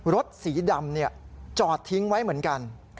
รถสีดำจอดทิ้งไว้เหมือนกัน